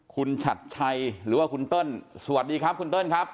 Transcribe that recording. คุณชัดชัยหรือว่าคุณเติ้ลสวัสดีครับคุณเติ้ลครับ